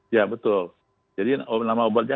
ya betul jadi nama obatnya